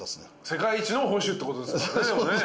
世界一の捕手ってことですからね。